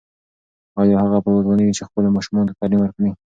ایا هغه به وتوانیږي چې خپلو ماشومانو ته تعلیم ورکړي؟